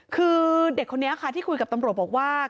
คือเด็กคนนี้ค่ะที่คุยกับตำรวจบอกว่า